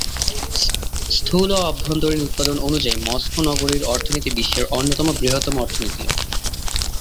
স্থূল অভ্যন্তরীণ উৎপাদন অনুযায়ী মস্কো নগরীর অর্থনীতি বিশ্বের অন্যতম বৃহত্তম অর্থনীতি।